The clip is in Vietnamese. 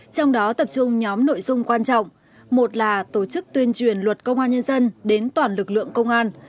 trong đó tập trung nhóm nội dung quan trọng một là tổ chức tuyên truyền luật công an nhân dân đến toàn lực lượng công an